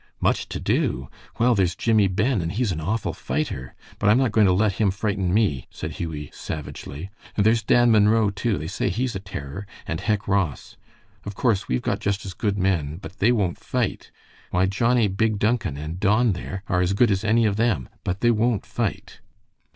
"Much to do! Well, there's Jimmie Ben, and he's an awful fighter, but I'm not going to let him frighten me," said Hughie, savagely; "and there's Dan Munro, too, they say he's a terror, and Hec Ross. Of course we've got just as good men, but they won't fight. Why, Johnnie 'Big Duncan' and Don, there, are as good as any of them, but they won't fight."